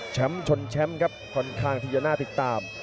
ชนแชมป์ครับค่อนข้างที่จะน่าติดตาม